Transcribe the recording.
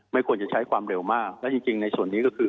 ไม่ควรจะใช้ความเร็วมากและจริงในส่วนนี้ก็คือ